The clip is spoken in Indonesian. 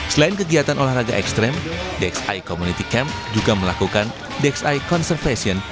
selain kegiatan olahraga ekstrim dxi community camp juga melakukan dxi conservation